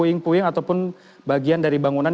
ini adalah puing puing ataupun bagian dari bangunan